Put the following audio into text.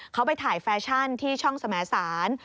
เขาไปถ่ายแฟชั่นที่ช่องสมสาร